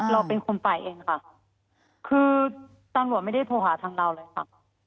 เราเป็นคนไปเองค่ะคือตำรวจไม่ได้โทรหาทางเราเลยค่ะ